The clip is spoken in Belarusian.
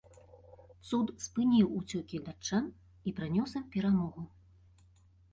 Цуд спыніў уцёкі датчан і прынёс ім перамогу.